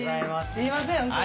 すいませんホントに。